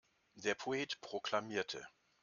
Der Poet proklamierte.